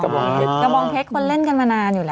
กระบองเท็จคนเล่นกันมานานอยู่แล้ว